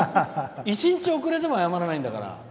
１日遅れでも謝らないんだから。